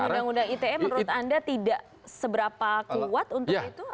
dan undang undang ite menurut anda tidak seberapa kuat untuk itu atau